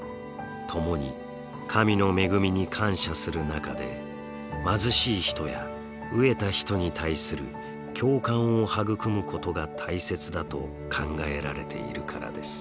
共に神の恵みに感謝する中で貧しい人や飢えた人に対する共感を育むことが大切だと考えられているからです。